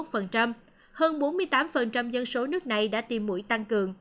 hơn bốn mươi tám dân số nước này đã tiêm mũi tăng cường